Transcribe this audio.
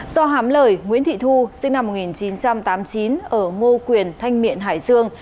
do hám lời nguyễn thị thu sinh năm một nghìn chín trăm tám mươi chín ở ngô quyền thanh miện hải dương